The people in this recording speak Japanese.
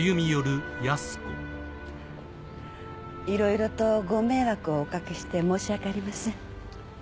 いろいろとご迷惑をおかけして申しわけありません。